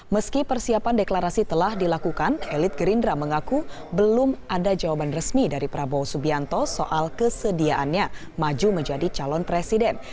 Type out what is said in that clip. meski persiapan deklarasi telah dilakukan elit gerindra mengaku belum ada jawaban resmi dari prabowo subianto soal kesediaannya maju menjadi calon presiden